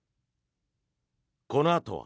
このあとは。